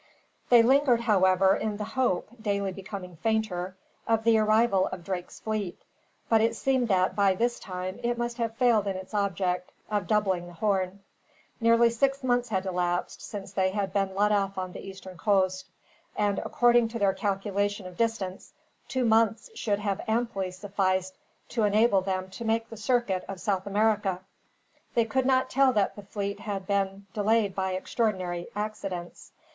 They lingered, however, in the hope, daily becoming fainter, of the arrival of Drake's fleet; but it seemed that, by this time, it must have failed in its object of doubling the Horn. Nearly six months had elapsed, since they had been left on the eastern coast; and, according to their calculation of distance, two months should have amply sufficed to enable them to make the circuit of Southern America. They could not tell that the fleet had been delayed by extraordinary accidents.